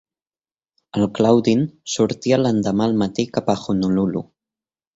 El Claudine sortia l'endemà al matí cap a Honolulu.